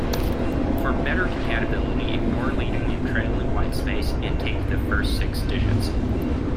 For better compatibility, ignore leading and trailing whitespace, and take the first six digits.